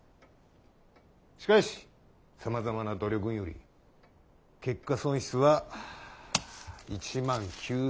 しかしさまざまな努力んより結果損失は１万９，０００円に抑えられとった。